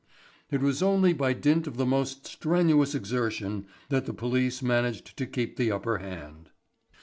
It was only by dint of the most strenuous exertion that the police managed to keep the upper hand.